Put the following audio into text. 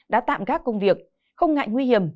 đã tạm gác công việc không ngại nguy hiểm